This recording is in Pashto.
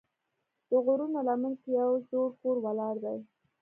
د غرونو لمن کې یو زوړ کور ولاړ دی.